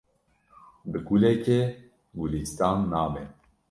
Bi gulekê gulîstan nabe.